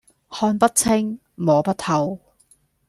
看不清、摸不透